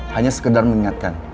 hanya sekedar mengingatkan